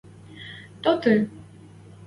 — Тоты!